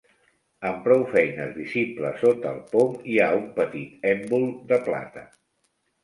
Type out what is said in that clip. Amb prou feines visible sota el pom hi ha un petit èmbol de plata.